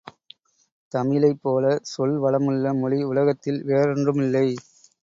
தமிழைப்போலச் சொல்வளமுள்ள மொழி உலகத்தில் வேறொன்றுமில்லை.